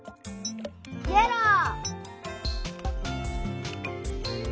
イエロー！